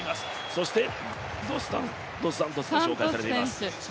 そしてドスサントスが紹介されています。